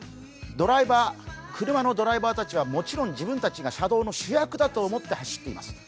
車のドライバーたちはもちろん自分たちが車道の主役だと思って走っています。